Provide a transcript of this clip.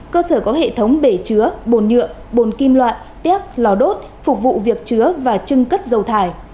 cơ sở có hệ thống bể chứa bồn nhựa bồn kim loại téc lò đốt phục vụ việc chứa và trưng cất dầu thải